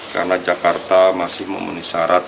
karena jakarta masih memenuhi syarat